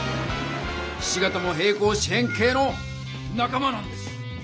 ひし形も平行四辺形のなか間なんです。